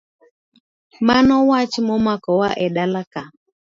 Mano wach momako wa edalaka.